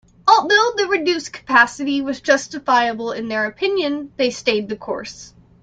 Although the reduced capacity was justifiable in their opinion, they stayed the course.